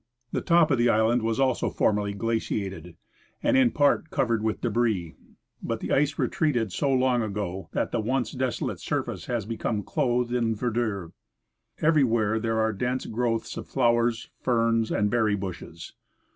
The top of the island was also formerly glaciated and in part covered with debris ; but the ice retreated so long ago that the once desolate surface has become clothed in verd.ure. Every where ■ there are dense growths of flowers, ferns and berry bushes.